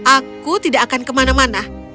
aku tidak akan kemana mana